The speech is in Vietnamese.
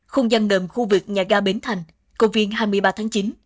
không gian ngầm khu vực nhà ga bến thành công viên hai mươi ba tháng chín